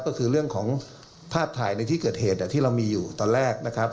ก็คือเรื่องของภาพถ่ายในที่เกิดเหตุที่เรามีอยู่ตอนแรกนะครับ